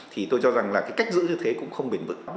thì tôi cho rằng là cái cách giữ như thế cũng không bền vững